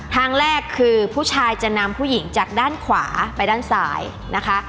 ทางแรกคือผู้ชายจะนำผู้หญิงจากด้านขวาไปด้านซ้ายนะคะ